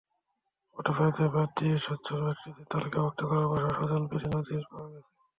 হতদরিদ্রদের বাদ দিয়ে সচ্ছল ব্যক্তিদের তালিকাভুক্ত করার পাশাপাশি স্বজনপ্রীতির নজির পাওয়া গেছে।